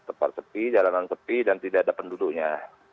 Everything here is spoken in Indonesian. tempat tepi jalanan tepi dan tidak ada penduduknya